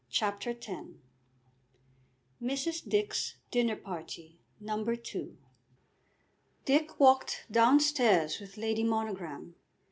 CHAPTER X Mrs. Dick's Dinner Party. No. II Dick walked downstairs with Lady Monogram.